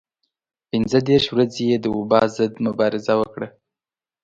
پنځه دېرش ورځې یې د وبا ضد مبارزه وکړه.